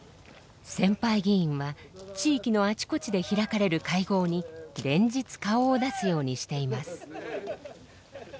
先輩議員は地域のあちこちで開かれる会合に連日顔を出すようにしています。